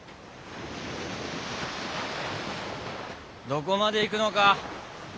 どこまで行くのか？